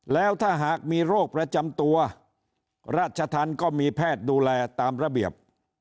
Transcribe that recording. แล้วถ้าหากมีโรคประจำตัวราชธรรมก็มีแพทย์ดูแลตามระเบียบ